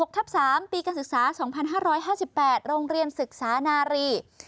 ทับ๓ปีการศึกษา๒๕๕๘โรงเรียนศึกษานารี